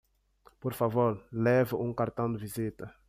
Por favor, leve um cartão de visita.